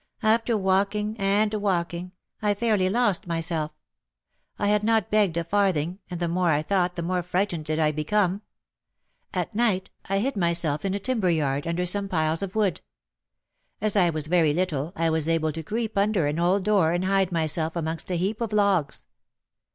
After walking and walking, I fairly lost myself; I had not begged a farthing, and the more I thought the more frightened did I become. At night I hid myself in a timber yard, under some piles of wood. As I was very little, I was able to creep under an old door and hide myself amongst a heap of logs.